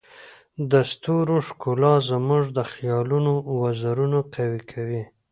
د ستورو ښکلا زموږ د خیالونو وزرونه قوي کوي.